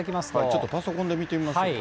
ちょっとパソコンで見てみましょうか。